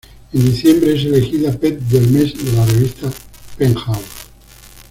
En diciembre es elegida "Pet del mes" de la revista Penthouse.